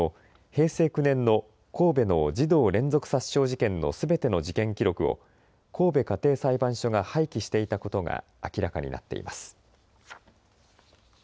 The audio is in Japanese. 平成９年の神戸の児童連続殺傷事件のすべての事件記録を神戸家庭裁判所が廃棄していたことが明らかになっています。